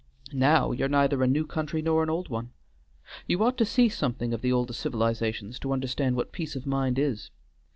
Now, you're neither a new country nor an old one. You ought to see something of the older civilizations to understand what peace of mind is.